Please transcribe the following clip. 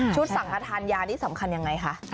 สั่งกระทานยานี่สำคัญยังไงคะ